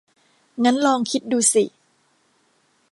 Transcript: งั้นลองคิดดูสิ